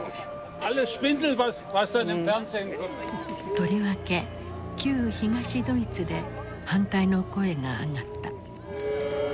とりわけ旧東ドイツで反対の声が上がった。